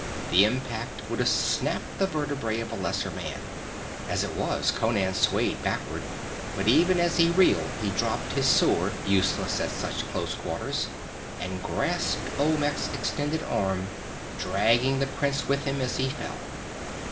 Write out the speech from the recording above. The impact would have snapped the vertebræ of a lesser man. As it was, Conan swayed backward, but even as he reeled he dropped his sword, useless at such close quarters, and grasped Olmec's extended arm, dragging the prince with him as he fell.